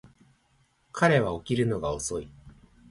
彼は起きるのが遅い